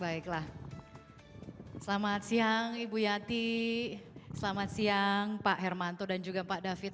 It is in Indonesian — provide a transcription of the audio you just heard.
baiklah selamat siang ibu yati selamat siang pak hermanto dan juga pak david